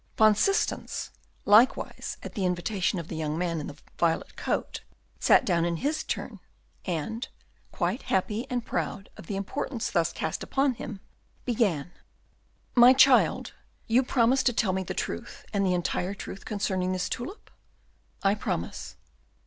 Van Systens, likewise at the invitation of the young man in the violet coat, sat down in his turn, and, quite happy and proud of the importance thus cast upon him, began, "My child, you promise to tell me the truth and the entire truth concerning this tulip?" "I promise."